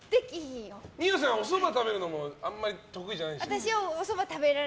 二葉さん、おそば食べるのもあんまり得意じゃないんでしたっけ。